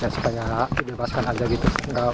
supaya dia lepaskan aja gitu